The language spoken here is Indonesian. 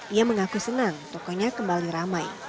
ia mengaku senang tokonya kembali ramai